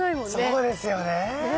そうですよね。